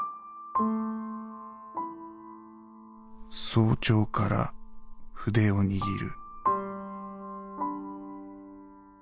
「早朝から筆を握る」。